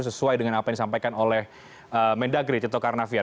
sesuai dengan apa yang disampaikan oleh mendagri tito karnavian